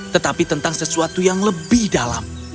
tetapi tentang sesuatu yang lebih dalam